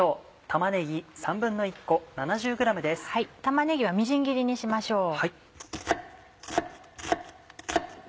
玉ねぎはみじん切りにしましょう。